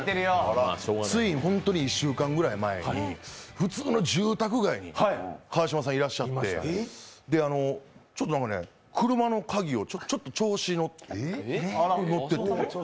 つい本当に１週間ぐらい前に普通の住宅街に川島さんいらっしゃってちょっと車の鍵を調子に乗って。